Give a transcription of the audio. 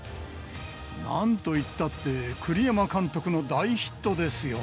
なんといったって、栗山監督の大ヒットですよ。